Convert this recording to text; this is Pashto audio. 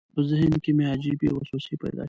په ذهن کې مې عجیبې وسوسې پیدا شوې.